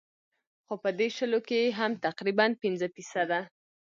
خو پۀ دې شلو کښې هم تقريباً پنځه فيصده